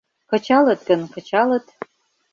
Кычалыт гын, кычалыт